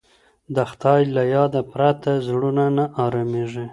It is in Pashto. د خدای له یاد پرته زړونه نه ارامیږي.